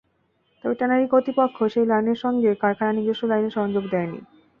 তবে ট্যানারি কর্তৃপক্ষ সেই লাইনের সঙ্গে কারখানার নিজস্ব লাইনের সংযোগ দেয়নি।